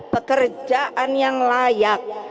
pekerjaan yang layak